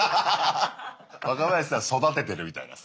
若林さん育ててるみたいなさ。